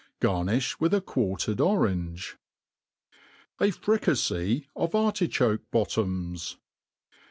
Garnifh with quartered orange.^ A Fricajty of Artkhoks Bottoms.